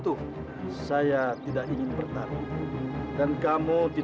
abang saya setelahjuna sekarang kembali carsution